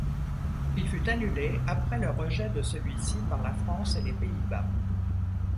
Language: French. Il fut annulé après le rejet de celui-ci par la France et les Pays-Bas.